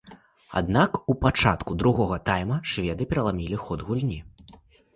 Аднак у пачатку другога тайма шведы пераламілі ход гульні.